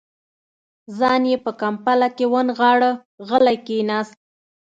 ځان يې په کمپله کې ونغاړه، غلی کېناست.